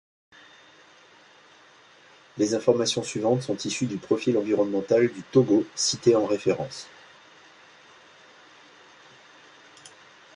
Les informations suivantes sont issues du profil environnemental du Togo cité en référence.